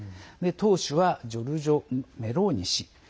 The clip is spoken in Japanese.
党首はジョルジャ・メローニ氏。